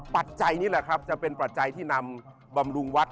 ปัจจัยนี้แหละครับจะเป็นปัจจัยที่นำบำรุงวัด